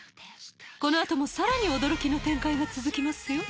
このあとも更に驚きの展開が続きますよ